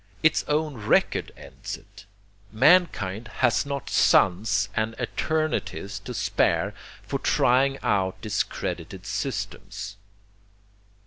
Its own record ends it. Mankind has not sons and eternities to spare for trying out discredited systems...."